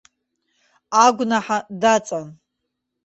Агәнаҳа даҵан!